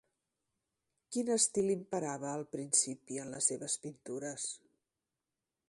Quin estil imperava al principi en les seves pintures?